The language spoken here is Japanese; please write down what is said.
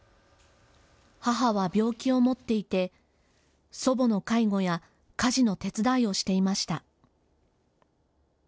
母は病気を持っていて祖母の介護や家事の手伝いをしていました。